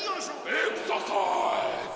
エクササイズ！